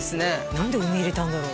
何で梅入れたんだろう？